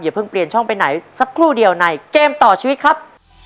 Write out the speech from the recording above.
เพิ่งเปลี่ยนช่องไปไหนสักครู่เดียวในเกมต่อชีวิตครับ